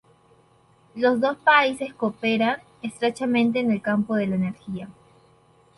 Los dos países cooperan estrechamente en el campo de la energía.